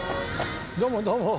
どうもどうも。